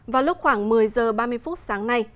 vào lúc khoảng một mươi h ba mươi phút sáng nay